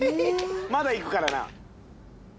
まだ行くからな。